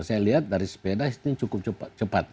saya lihat dari sepeda ini cukup cepat